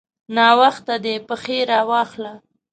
ناوخته دی؛ پښې راواخله.